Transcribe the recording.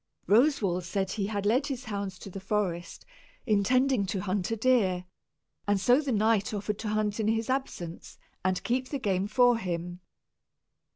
Roswal said he had led his hounds to the forest, intending to hunt a deer; and so the knight offered to hunt in his absence and keep the game for him.